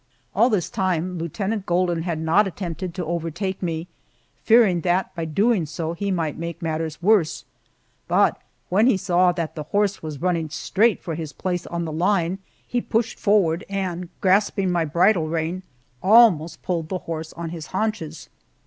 All this time Lieutenant Golden had not attempted to overtake me, fearing that by doing so he might make matters worse, but when he saw that the horse was running straight for his place on the line, he pushed forward, and grasping my bridle rein, almost pulled the horse on his haunches.